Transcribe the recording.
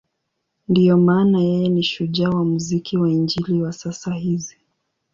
Ndiyo maana yeye ni shujaa wa muziki wa Injili wa sasa hizi.